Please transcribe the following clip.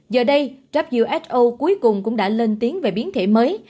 giờ đây who cuối cùng cũng đã lên tiếng về biến thể mới